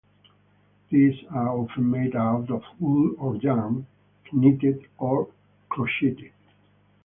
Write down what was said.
These are often made out of wool or yarn, knitted or crocheted.